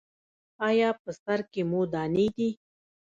ایا په سر کې مو دانې دي؟